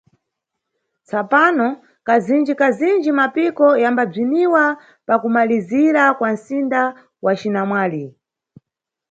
Tsapano, kazinjikazinji mapiko yambabziniwa pakumalizira kwa nʼsinda wa cinamwali.